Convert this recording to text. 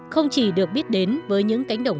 không chỉ được biết đến với những cánh động